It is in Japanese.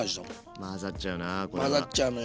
混ざっちゃうのよ。